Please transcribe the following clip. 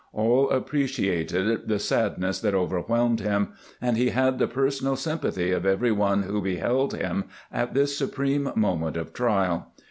All appreciated tlie sadness that overwhelmed him, and he had the personal sympathy of every one who beheld him at this supreme moment of trial.